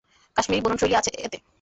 কাশ্মীরী বুননশৈলি আছে এতে।